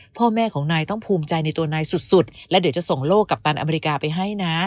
พ่อแม่ของนายต้องภูมิใจในตัวนายสุดและเดี๋ยวจะส่งโลกกัปตันอเมริกาไปให้นะ